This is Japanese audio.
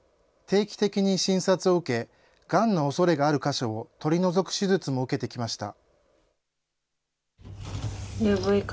定期的に診察を受け、がんのおそれがある箇所を取り除く手術も受けてきました。